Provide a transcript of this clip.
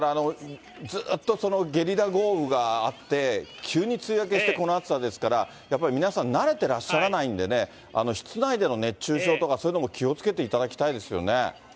ずっとゲリラ豪雨があって、急に梅雨明けして、この暑さですから、やっぱり皆さん、慣れてらっしゃらないんでね、室内での熱中症とか、そういうのも気をつけていただきたいですよね。